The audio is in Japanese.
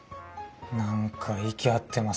何か息合ってますね。